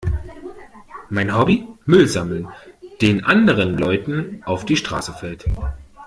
Mein Hobby? Müll sammeln, den anderen Leuten auf die Straße fällt.